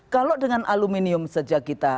kalau dengan aluminium sejak kita